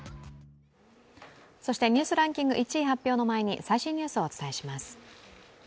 そして、「ニュースランキング」１位発表の前に最新ニュースをお伝えします。